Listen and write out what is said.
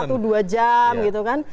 waktu terus pecahan